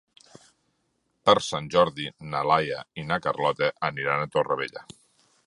Per Sant Jordi na Laia i na Carlota aniran a Torrevella.